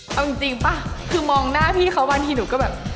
เอาจริงป่ะคือมองหน้าพี่เขาบางทีหนูก็แบบ